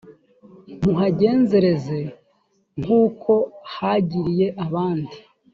muhagenzereze nk uko hagiriye abandi